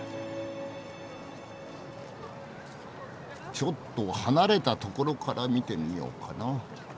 ちょっと離れたところから見てみようかな。